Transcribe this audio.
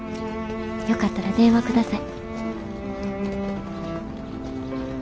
よかったら電話ください」。